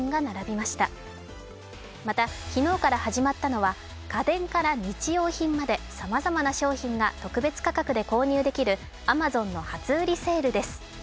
また昨日から始まったのは家電から日用品までさまざまな商品が特別価格で購入できるＡｍａｚｏｎの初売りセールです。